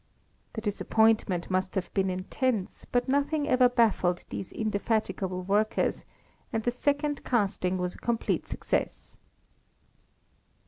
The disappointment must have been intense, but nothing ever baffled these indefatigable workers, and the second casting was a complete success.